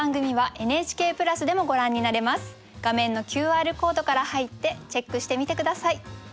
画面のＱＲコードから入ってチェックしてみて下さい。